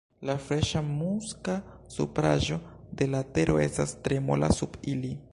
La freŝa muska supraĵo de la tero estas tre mola sub ili.